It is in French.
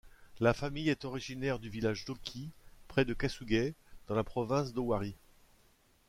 La famille est originaire du village d'Oki près de Kasugai dans la province d'Owari.